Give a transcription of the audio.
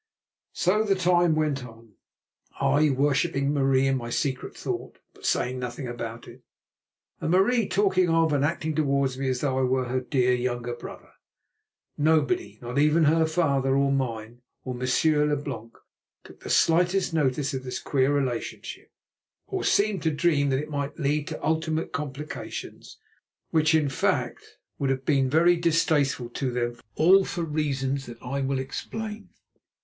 So the time went on, I worshipping Marie in my secret thought, but saying nothing about it, and Marie talking of and acting towards me as though I were her dear younger brother. Nobody, not even her father or mine, or Monsieur Leblanc, took the slightest notice of this queer relationship, or seemed to dream that it might lead to ultimate complications which, in fact, would have been very distasteful to them all for reasons that I will explain.